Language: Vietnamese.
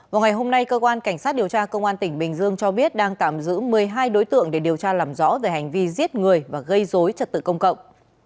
vào ngày hôm nay cơ quan cảnh sát điều tra công an tỉnh bình dương cho biết đang tạm giữ một mươi hai đối tượng để điều tra làm rõ về hành vi giết người và gây dối trật tự công cộng